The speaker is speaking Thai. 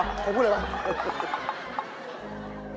โอ้โฮพูดอะไรป่ะ